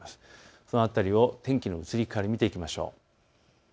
その辺り、天気の移り変わりを見ていきましょう。